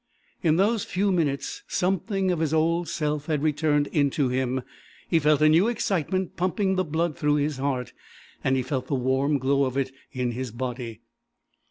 In those few minutes something of his old self had returned into him; he felt a new excitement pumping the blood through his heart, and he felt the warm glow of it in his body.